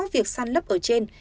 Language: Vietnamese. việc săn lấp ở trên